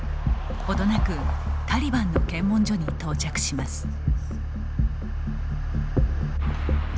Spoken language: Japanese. ほどなくタリバンの検問所に到着します。